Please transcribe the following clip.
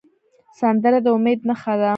سندره د امید نښه ده